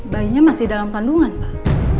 bayinya masih dalam kandungan pak